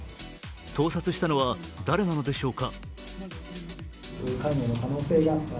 盗撮したのは誰なのでしょうか。